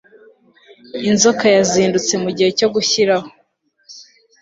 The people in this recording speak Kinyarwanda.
inzoka yazindutse mugihe cyo gushiraho